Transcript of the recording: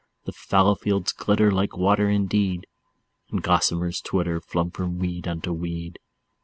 The fallow fields glitter like water indeed, And gossamers twitter, flung from weed unto weed.